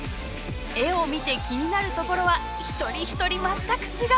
絵を見て気になるところは一人一人全く違う！